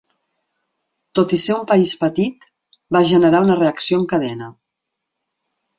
Tot i ser un país petit, va generar una reacció en cadena.